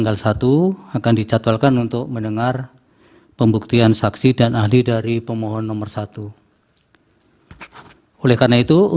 selambat lambatnya pada tanggal dua puluh enam juni